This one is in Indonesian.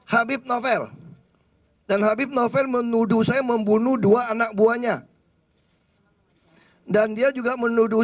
habib novel dan habib novel menuduh saya membunuh dua anak buahnya dan dia juga menuduh